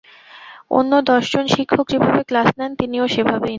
অন্য দশজন শিক্ষক যেভাবে ক্লাস নেন তিনিও সেভাবেই নেন।